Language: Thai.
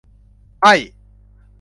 ไอ้